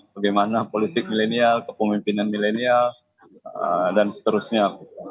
bagaimana politik milenial kepemimpinan milenial dan seterusnya